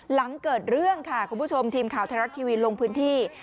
หลังเกิดเรื่องคุณผู้ชมทีมข่าวธรรมดาลท์ทีวีลงพื้นที่